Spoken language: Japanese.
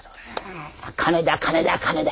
金だ金だ金だ。